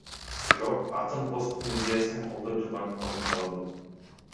Бирок акын посттун идеясын колдой турганын кошумчалады.